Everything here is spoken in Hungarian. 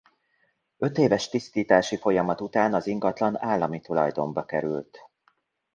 Ötéves tisztítási folyamat után az ingatlan állami tulajdonba került.